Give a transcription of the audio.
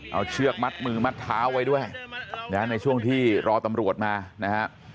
เอาเชือกมัดมือมัดเท้าไว้ด้วยนะในช่วงที่รอตำรวจมานะฮะ